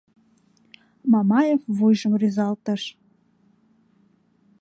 Мамаев вуйжым рӱзалтыш.